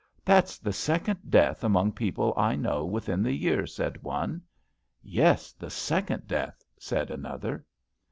That^s the second death among people I know within the year,'' said one. Yes, the second death/' said another.